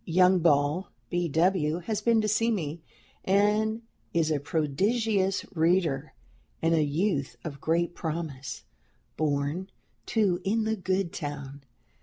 Young Ball (B. W.) has been to see me, and is a prodigious reader and a youth of great promise, born, too, in the good town.